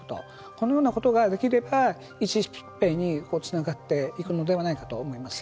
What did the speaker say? このようなことができればいち疾病につながっていくのではないかと思います。